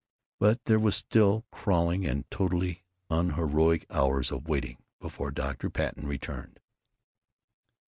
But there were still crawling and totally unheroic hours of waiting before Dr. Patten returned.